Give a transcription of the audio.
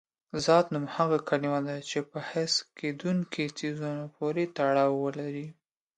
ذات نوم هغه کلمه ده چې په حس کېدونکي څیزونو پورې تړاو ولري.